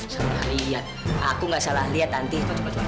salah liat aku gak salah liat anty